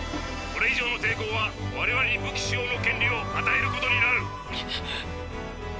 これ以上の抵抗は我々に武器使用の権利を与えることになる」。